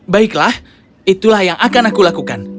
baiklah itulah yang akan aku lakukan